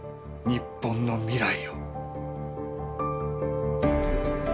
日本の未来。